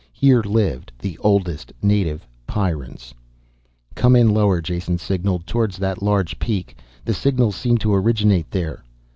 Here lived the oldest native Pyrrans. "Come in lower," Jason signaled. "Towards that large peak. The signals seem to originate there."